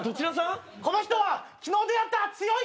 この人は昨日出会った強い人だ！